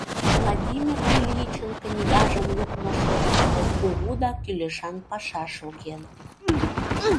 Владимир Ильичын книгажым лукмо шотышто кугу да кӱлешан паша шоген.